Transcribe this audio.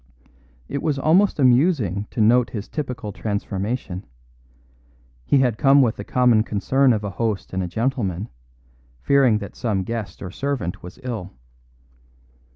It was almost amusing to note his typical transformation; he had come with the common concern of a host and a gentleman, fearing that some guest or servant was ill.